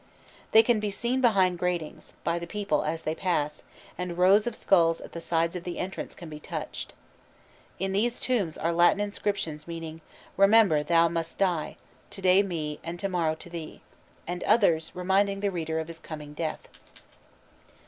They can be seen behind gratings, by the people as they pass, and rows of skulls at the sides of the entrance can be touched. In these tombs are Latin inscriptions meaning: "Remember thou must die," "To day to me, and to morrow to thee," and others reminding the reader of his coming death.